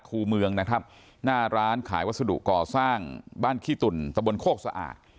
คู่เมืองนะครับหน้าร้านขายวัสดุก่อสร้างบ้านขี้ตุ่นตะบนโคกสะอาด